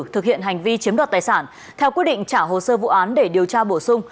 thực hiện hành vi chiếm đoạt tài sản theo quyết định trả hồ sơ vụ án để điều tra bổ sung